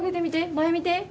前見て。